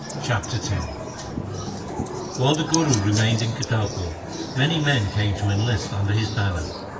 Chapter X While the Guru remained in Kartarpur, many men came to enlist under his banner.